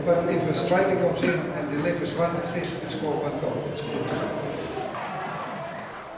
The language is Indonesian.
tapi jika striker datang dan memberikan satu asis kita akan menang